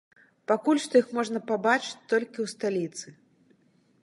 Пакуль што іх можна пабачыць толькі ў сталіцы.